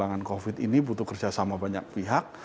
penanganan covid sembilan belas ini butuh kerjasama banyak pihak